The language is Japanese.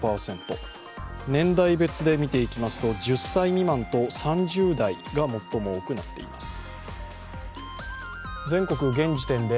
年代別で見ていきますと１０歳未満と３０代が最も多くなっています。